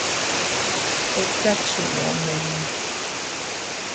Tika chii omiña.